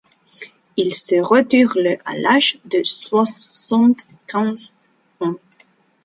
Il se retire le à l'âge de soixante-quinze ans.